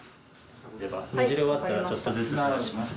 では捻れ終わったらちょっとずつ回します。